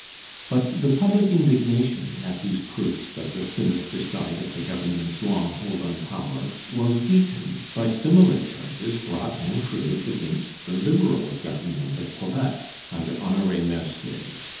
But the public indignation at these proofs of the sinister side of the Government's long hold on power was weakened by similar charges brought and proved against the Liberal Government of Quebec, under Honoré Mercier.